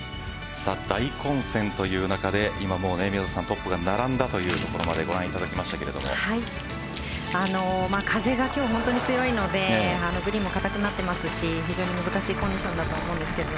大混戦という中で今もトップが並んだというところまで風が今日、本当に強いのでグリーンも硬くなっていますし非常に難しいコンディションだと思うんですけど。